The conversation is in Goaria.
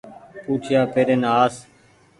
پوٺيآ پيرين آس